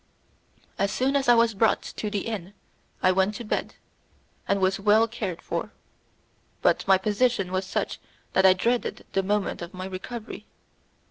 As soon as I was brought to the inn, I went to bed, and was well cared for, but my position was such that I dreaded the moment of my recovery.